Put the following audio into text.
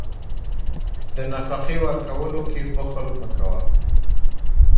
د نفقې ورکولو کې بخل مه کوه.